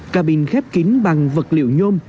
cabin khép kín bằng vật liệu nhôm